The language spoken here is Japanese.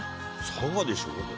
佐賀でしょ。